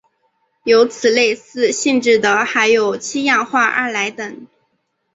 有此类似性质的还有七氧化二铼等。